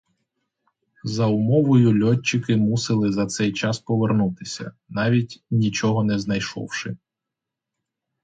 За умовою льотчики мусили за цей час повернутися, навіть нічого не знайшовши.